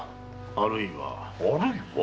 あるいは？